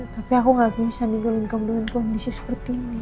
tapi aku gak bisa digolongkan dengan kondisi seperti ini